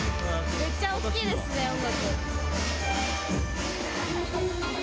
めっちゃ大きいですね、音楽。